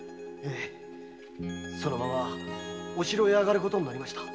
〔そのままお城へあがることになりました。